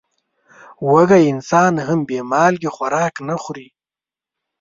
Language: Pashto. وږی انسان هم بې مالګې خوراک نه خوري.